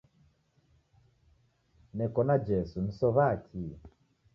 Neko na Jesu nisow'a kii?